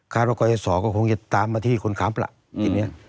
ว่ากรยศก็คงจะตามมาที่คนขับล่ะทีนี้